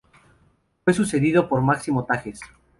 Fue sucedido por Máximo Tajes.